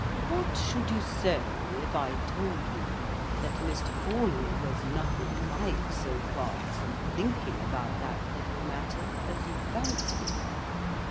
"What should you say, if I told you that Mr. Forley was nothing like so far from thinking about that little matter as you fancy?